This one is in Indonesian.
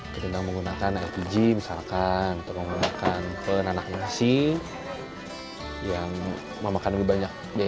kita menggunakan rpg misalkan untuk menggunakan penanak nasi yang memakan lebih banyak biaya